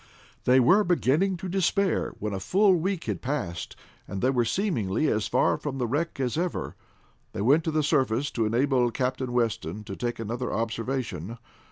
They were beginning to despair when a full week had passed and they were seemingly as far from the wreck as ever. They went to the surface to enable Captain Weston to take another observation.